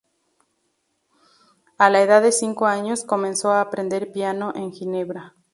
A la edad de cinco años, comenzó a aprender piano en Ginebra.